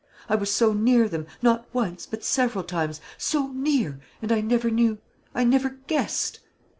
I was so near them, not once, but several times, so near, and I never knew I never guessed!"